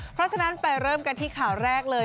เพราะฉะนั้นไปเริ่มกันที่ข่าวแรกเลย